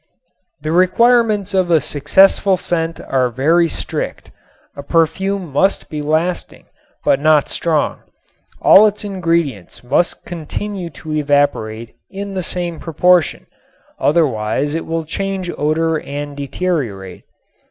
The requirements of a successful scent are very strict. A perfume must be lasting, but not strong. All its ingredients must continue to evaporate in the same proportion, otherwise it will change odor and deteriorate.